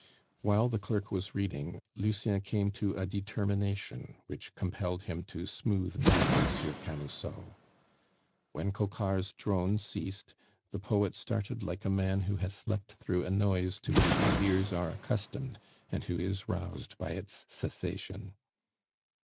While the clerk was reading, Lucien came to a determination which compelled him to smooth down Monsieur Camusot. When Coquart's drone ceased, the poet started like a man who has slept through a noise to which his ears are accustomed, and who is roused by its cessation.